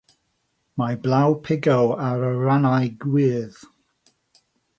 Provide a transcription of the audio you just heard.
Mae blew pigo ar y rhannau gwyrdd.